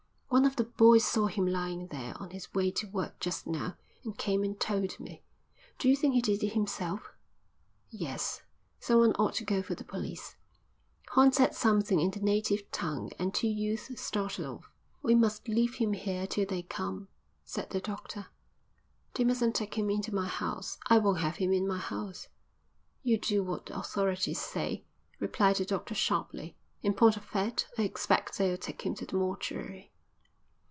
"One of the boys saw him lying there on his way to work just now and came and told me. Do you think he did it himself?" "Yes. Someone ought to go for the police." Horn said something in the native tongue, and two youths started off. "We must leave him here till they come," said the doctor. "They mustn't take him into my house. I won't have him in my house." "You'll do what the authorities say," replied the doctor sharply. "In point of fact I expect they'll take him to the mortuary."